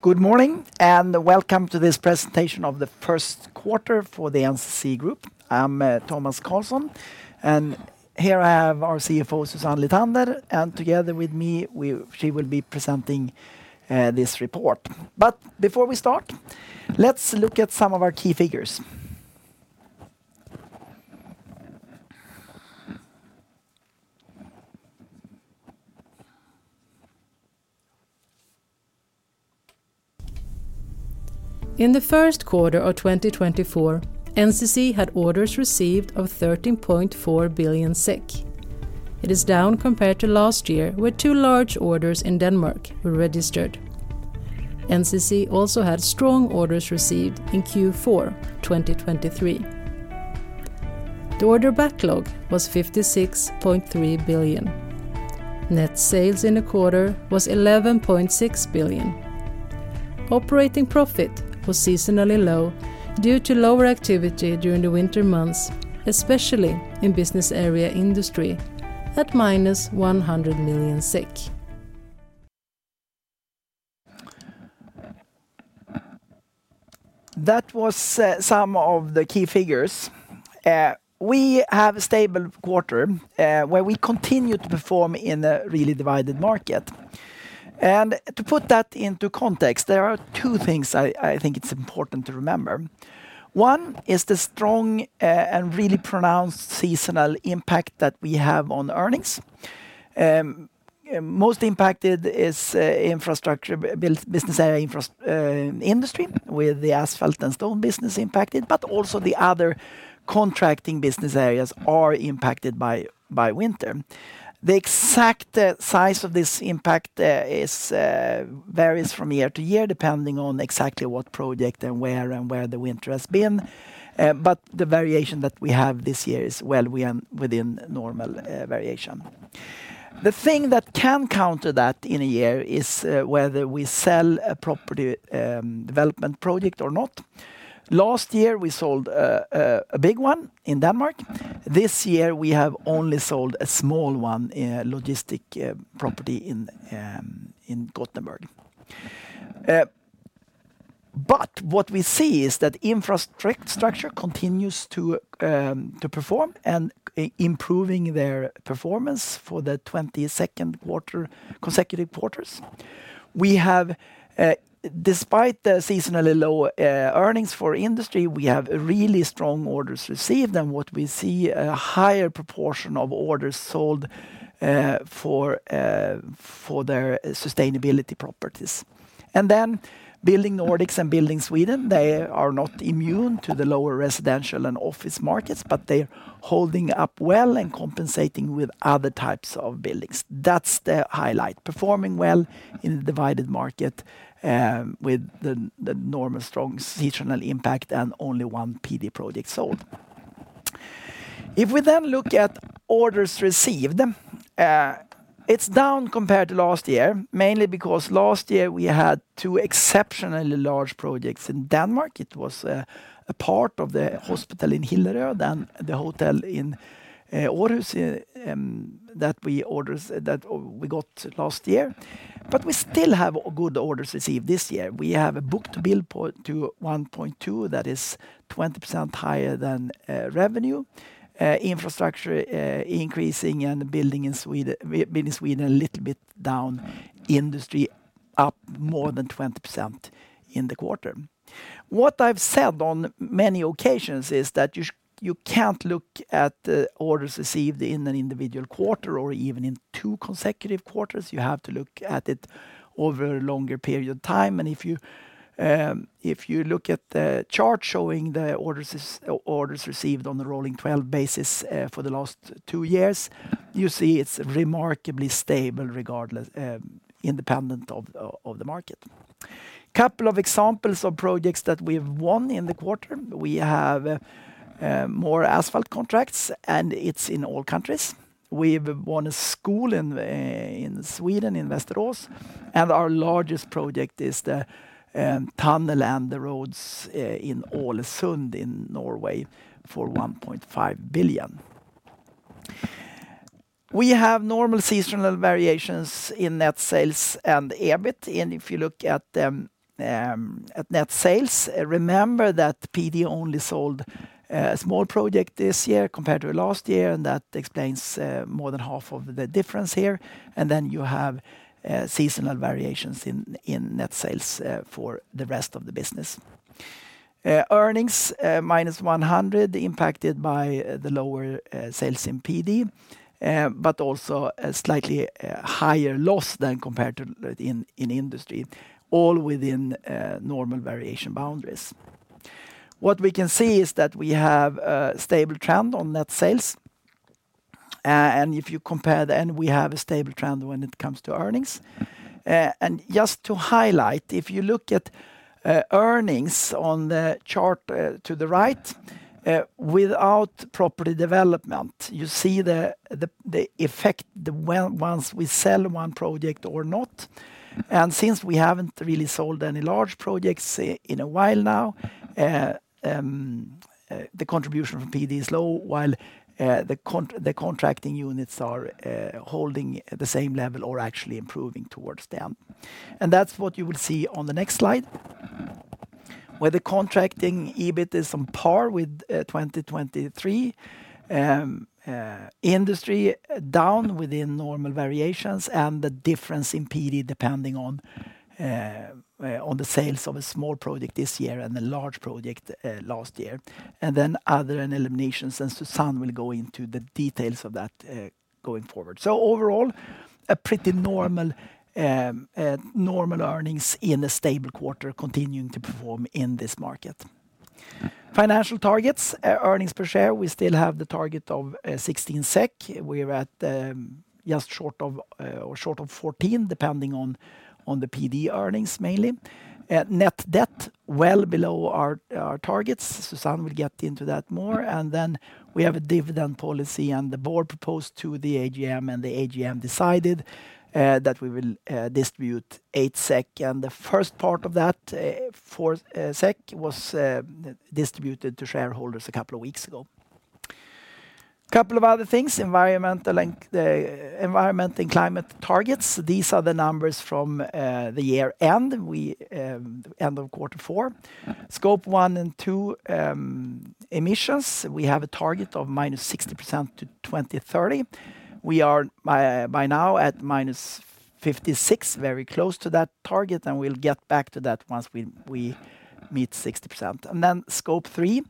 Good morning, and welcome to this presentation of the first quarter for the NCC Group. I'm, Tomas Carlsson, and here I have our CFO, Susanne Lithander, and together with me, she will be presenting this report. But before we start, let's look at some of our key figures. In the first quarter of 2024, NCC had orders received of 13.4 billion. It is down compared to last year, where two large orders in Denmark were registered. NCC also had strong orders received in Q4 2023. The order backlog was 56.3 billion. Net sales in the quarter was 11.6 billion. Operating profit was seasonally low due to lower activity during the winter months, especially in business area Industry, at -100 million. That was some of the key figures. We have a stable quarter where we continued to perform in a really divided market. And to put that into context, there are two things I think it's important to remember. One is the strong and really pronounced seasonal impact that we have on earnings. Most impacted is Infrastructure business area, Industry, with the asphalt and stone business impacted, but also the other contracting business areas are impacted by winter. The exact size of this impact varies from year to year, depending on exactly what project and where, and where the winter has been, but the variation that we have this year is well within normal variation. The thing that can counter that in a year is whether we sell a property development project or not. Last year, we sold a big one in Denmark. This year, we have only sold a small one, a logistics property in Gothenburg. But what we see is that Infrastructure continues to perform and improving their performance for the 22nd consecutive quarter. We have, despite the seasonally low earnings for Industry, we have really strong orders received, and what we see, a higher proportion of orders sold for their sustainability properties. And then Building Nordics and Building Sweden, they are not immune to the lower residential and office markets, but they're holding up well and compensating with other types of buildings. That's the highlight, performing well in a divided market, with the normal strong seasonal impact and only one PD project sold. If we then look at orders received, it's down compared to last year, mainly because last year we had two exceptionally large projects in Denmark. It was a part of the hospital in Hillerød, then the hotel orders that we got last year. But we still have good orders received this year. We have a book-to-bill 1.2, that is 20% higher than revenue. Infrastructure increasing, and Building Sweden a little bit down. Industry, up more than 20% in the quarter. What I've said on many occasions is that you can't look at the orders received in an individual quarter or even in two consecutive quarters. You have to look at it over a longer period of time, and if you, if you look at the chart showing the orders, or orders received on the rolling 12 basis, for the last two years, you see it's remarkably stable, regardless, independent of the market. Couple of examples of projects that we've won in the quarter. We have more asphalt contracts, and it's in all countries. We've won a school in, in Sweden, in Västerås, and our largest project is the tunnel and the roads in Ålesund in Norway for 1.5 billion. We have normal seasonal variations in net sales and EBIT, and if you look at them, at net sales, remember that PD only sold a small project this year compared to last year, and that explains more than half of the difference here, and then you have seasonal variations in net sales for the rest of the business. Earnings -100, impacted by the lower sales in PD, but also a slightly higher loss than compared to in Industry, all within normal variation boundaries. What we can see is that we have a stable trend on net sales, and if you compare, then we have a stable trend when it comes to earnings. And just to highlight, if you look at earnings on the chart to the right, without property development, you see the effect. Well, once we sell one project or not. And since we haven't really sold any large projects in a while now, the contribution from PD is low, while the contracting units are holding the same level or actually improving towards down. And that's what you will see on the next slide. Where the contracting EBIT is on par with 2023. Industry down within normal variations and the difference in PD, depending on the sales of a small project this year and a large project last year. And then other and eliminations, and Susanne will go into the details of that going forward. So overall, a pretty normal earnings in a stable quarter, continuing to perform in this market. Financial targets, earnings per share, we still have the target of 16 SEK. We're at just short of or short of 14, depending on the PD earnings, mainly. Net debt, well below our targets. Susanne will get into that more. And then we have a dividend policy, and the board proposed to the AGM, and the AGM decided that we will distribute 8 SEK. And the first part of that, 4 SEK, was distributed to shareholders a couple of weeks ago. Couple of other things, environmental and environment and climate targets, these are the numbers from the year end. We end of quarter four. Scope 1 and 2 emissions, we have a target of -60% to 2030. We are by now at -56%, very close to that target, and we'll get back to that once we meet 60%. Scope 3,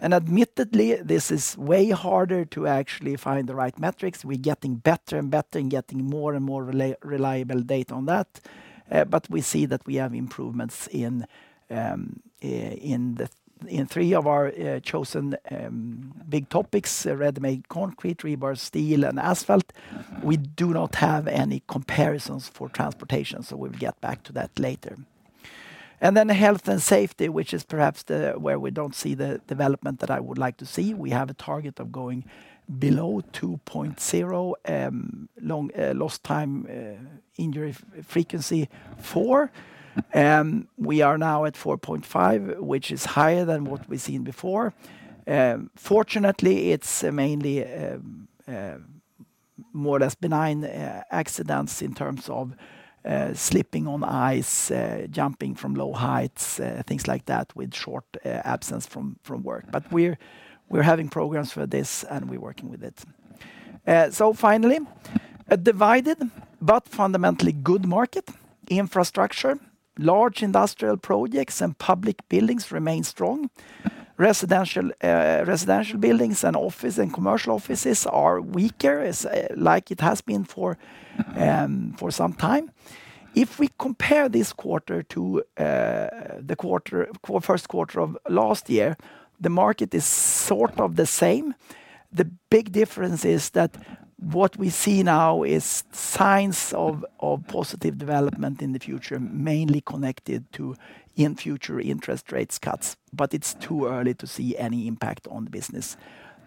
and admittedly, this is way harder to actually find the right metrics. We're getting better and better and getting more and more reliable data on that. But we see that we have improvements in 3 of our chosen big topics, ready-made concrete, rebar steel, and asphalt. We do not have any comparisons for transportation, so we'll get back to that later. Health and safety, which is perhaps where we don't see the development that I would like to see. We have a target of going below 2.0 Lost Time Injury Frequency. We are now at 4.5, which is higher than what we've seen before. Fortunately, it's mainly more or less benign accidents in terms of slipping on ice, jumping from low heights, things like that, with short absence from work. But we're having programs for this, and we're working with it. So finally, a divided but fundamentally good market. Infrastructure, large industrial projects and public buildings remain strong. Residential buildings and office and commercial offices are weaker, as like it has been for some time. If we compare this quarter to the first quarter of last year, the market is sort of the same. The big difference is that what we see now is signs of positive development in the future, mainly connected to in future interest rates cuts, but it's too early to see any impact on the business,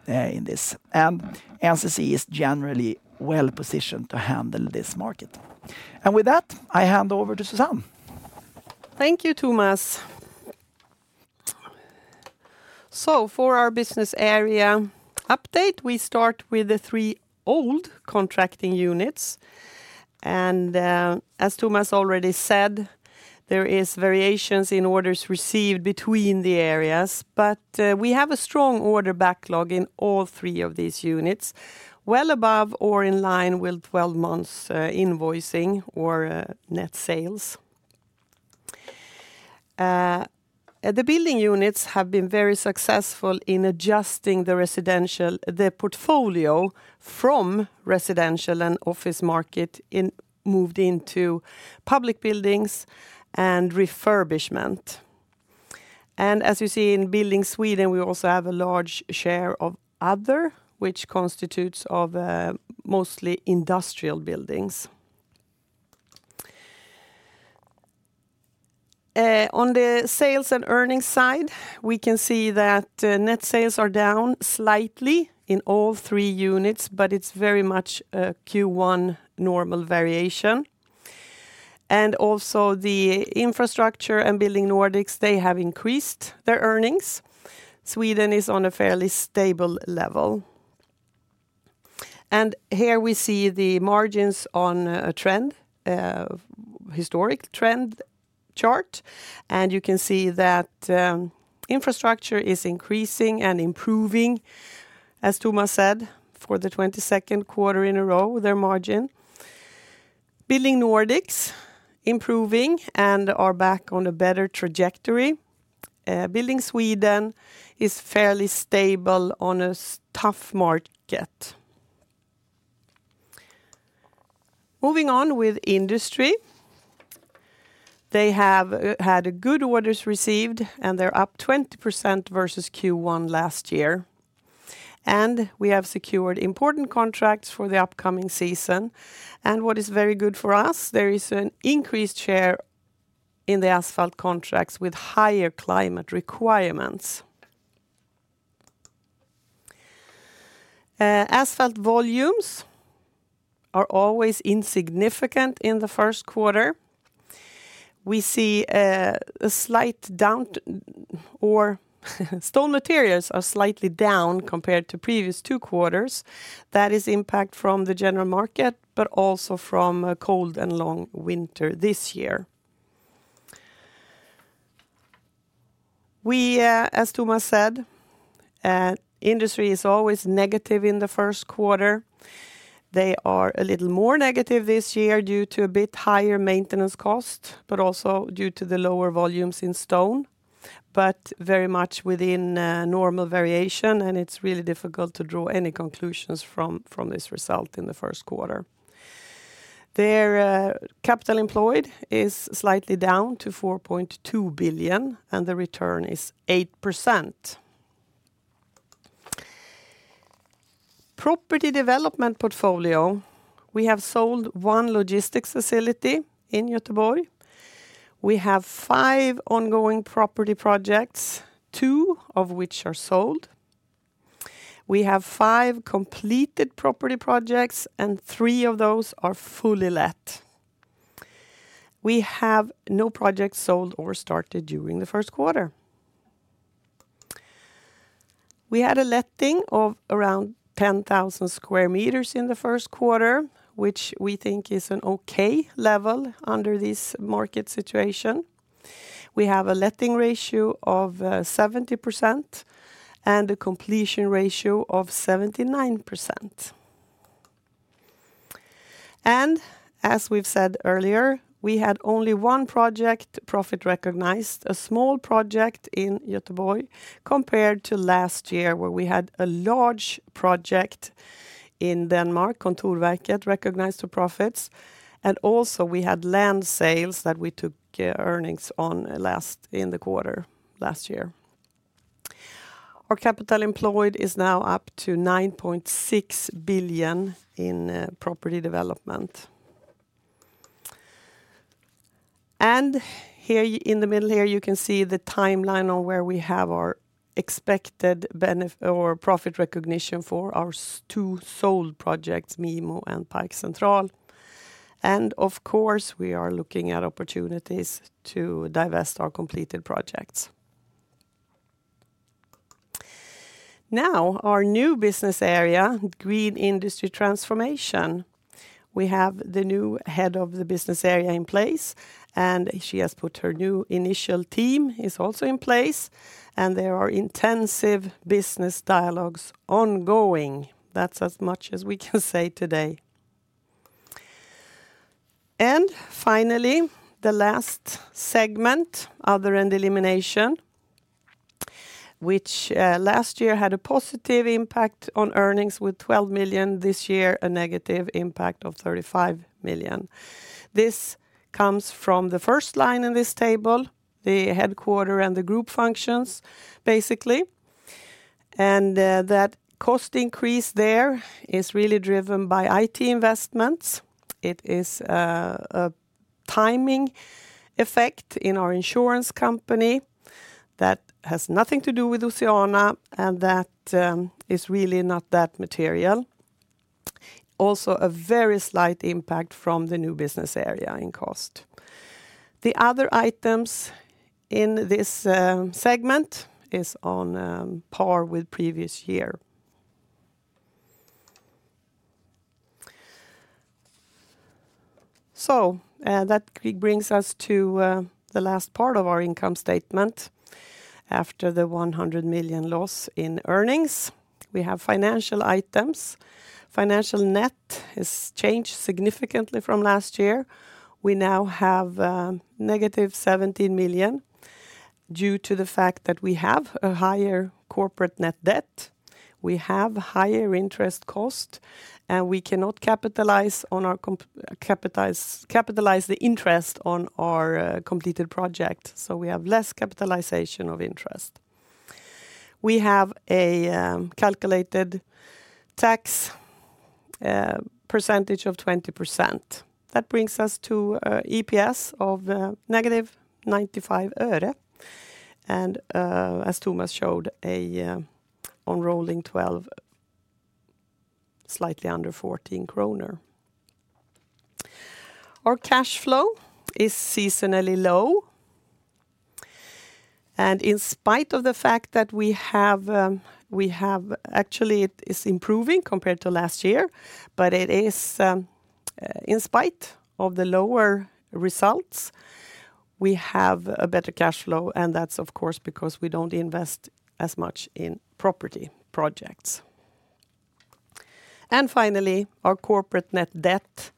in this. And NCC is generally well-positioned to handle this market. And with that, I hand over to Susanne. Thank you, Tomas. So for our business area update, we start with the 3 old contracting units. As Tomas already said, there is variations in orders received between the areas, but we have a strong order backlog in all three of these units, well above or in line with 12 months invoicing or net sales. The building units have been very successful in adjusting the residential... the portfolio from residential and office market in, moved into public buildings and refurbishment. As you see in Building Sweden, we also have a large share of other, which constitutes of mostly industrial buildings. On the sales and earnings side, we can see that net sales are down slightly in all three units, but it's very much a Q1 normal variation. Also, the Infrastructure and Building Nordics, they have increased their earnings. Sweden is on a fairly stable level. Here we see the margins on a trend historic trend chart, and you can see that Infrastructure is increasing and improving, as Tomas said, for the 22nd quarter in a row with their margin. Building Nordics, improving and are back on a better trajectory. Building Sweden is fairly stable on a tough market. Moving on with Industry. They have had good orders received, and they're up 20% versus Q1 last year. We have secured important contracts for the upcoming season, and what is very good for us, there is an increased share in the asphalt contracts with higher climate requirements. Asphalt volumes are always insignificant in the first quarter. We see a slight down. Stone materials are slightly down compared to previous two quarters. That is impact from the general market, but also from a cold and long winter this year. We, as Tomas said, Industry is always negative in the first quarter. They are a little more negative this year due to a bit higher maintenance cost, but also due to the lower volumes in stone, but very much within normal variation, and it's really difficult to draw any conclusions from this result in the first quarter. Their capital employed is slightly down to 4.2 billion, and the return is 8%. Property development portfolio, we have sold one logistics facility in Gothenburg. We have five ongoing property projects, two of which are sold. We have five completed property projects, and three of those are fully let. We have no projects sold or started during the first quarter. We had a letting of around 10,000 square meters in the first quarter, which we think is an okay level under this market situation. We have a letting ratio of 70% and a completion ratio of 79%. As we've said earlier, we had only one project, profit recognized, a small project in Gothenburg, compared to last year, where we had a large project in Denmark, Kontorværket, recognized for profits, and also we had land sales that we took earnings on last year in the quarter last year. Our capital employed is now up to 9.6 billion in property development. Here, in the middle here, you can see the timeline on where we have our expected profit recognition for our two sold projects, MIMO and Park Central. Of course, we are looking at opportunities to divest our completed projects. Now, our new business area, Green Industry Transformation. We have the new head of the business area in place, and she has put her new initial team, is also in place, and there are intensive business dialogues ongoing. That's as much as we can say today. And finally, the last segment, other and elimination, which last year had a positive impact on earnings with 12 million, this year, a negative impact of 35 million. This comes from the first line in this table, the headquarters and the group functions, basically. And, that cost increase there is really driven by IT investments. It is, a timing effect in our insurance company that has nothing to do with Oceana, and that, is really not that material. Also, a very slight impact from the new business area in cost. The other items in this segment is on par with previous year. So, that brings us to the last part of our income statement. After the 100 million loss in earnings, we have financial items. Financial net has changed significantly from last year. We now have -17 million due to the fact that we have a higher corporate net debt. We have higher interest cost, and we cannot capitalize the interest on our completed project, so we have less capitalization of interest. We have a calculated tax percentage of 20%. That brings us to EPS of -95 öre, and as Tomas showed, on rolling twelve, slightly under 14 kronor. Our cash flow is seasonally low, and in spite of the fact that we have actually, it is improving compared to last year, but it is in spite of the lower results, we have a better cash flow, and that's of course because we don't invest as much in property projects. And finally, our corporate net debt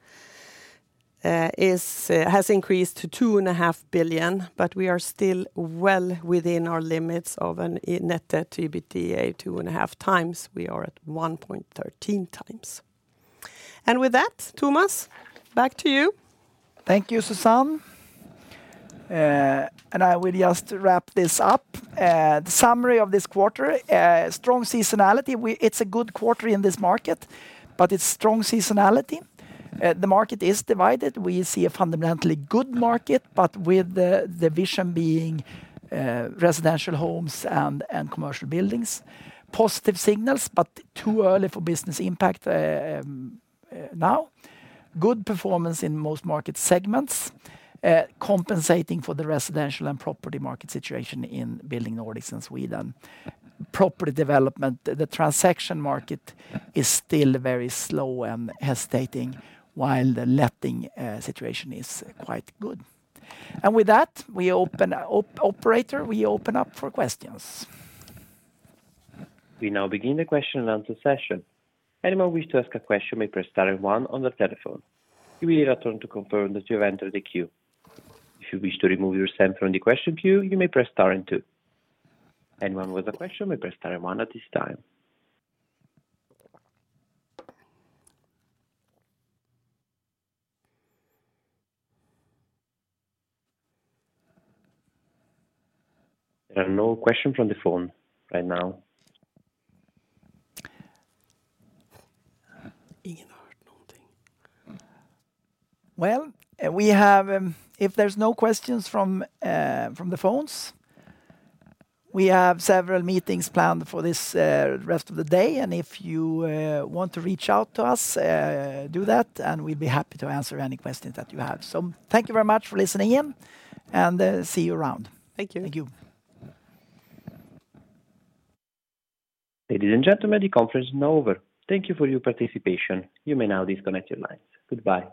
has increased to 2.5 billion, but we are still well within our limits of a net debt EBITDA 2.5 times. We are at 1.13 times. And with that, Tomas, back to you. Thank you, Susanne. And I will just wrap this up. The summary of this quarter, strong seasonality. It's a good quarter in this market, but it's strong seasonality. The market is divided. We see a fundamentally good market, but with the, the vision being residential homes and commercial buildings. Positive signals, but too early for business impact, now. Good performance in most market segments, compensating for the residential and property market situation in Building Nordics and Sweden. Property development, the transaction market is still very slow and hesitating, while the letting situation is quite good. And with that, operator, we open up for questions. We now begin the question and answer session. Anyone who wish to ask a question may press star and one on the telephone. We will return to confirm that you have entered the queue. If you wish to remove yourself from the question queue, you may press star and two. Anyone with a question may press star and one at this time. There are no questions from the phone right now. Well, we have, if there's no questions from the phones, we have several meetings planned for this rest of the day. And if you want to reach out to us, do that, and we'd be happy to answer any questions that you have. So thank you very much for listening in, and see you around. Thank you. Thank you. Ladies and gentlemen, the conference is now over. Thank you for your participation. You may now disconnect your lines. Goodbye.